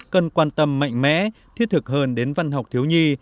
cần quan tâm mạnh mẽ thiết thực hơn đến văn học thiếu nhi